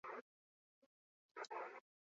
Ortuellan, euskararen alde lan egiten dugu